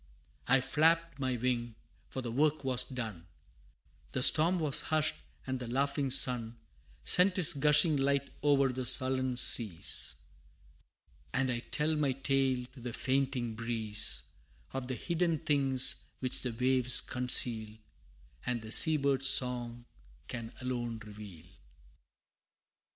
I flapped my wing, for the work was done The storm was hushed, and the laughing sun Sent his gushing light o'er the sullen seas And I tell my tale to the fainting breeze, Of the hidden things which the waves conceal, And the sea bird's song can alone reveal!